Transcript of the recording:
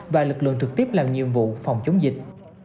và lực lượng trực tiếp làm nhiệm vụ phòng chống dịch